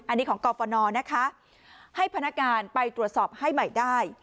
อันนี้ของกรฟนนะคะให้พนักงานไปตรวจสอบให้ใหม่ได้